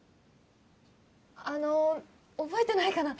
あの覚えてないかな？